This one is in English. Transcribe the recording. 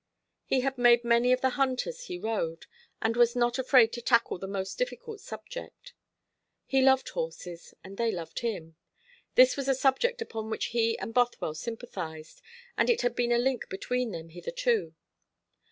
He had made many of the hunters he rode, and was not afraid to tackle the most difficult subject. He loved horses, and they loved him. This was a subject upon which he and Bothwell sympathised; and it had been a link between them hitherto.